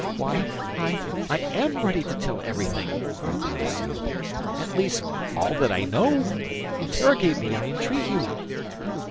"Why, I am ready to tell everything," cried Bonacieux, "at least, all that I know. Interrogate me, I entreat you!"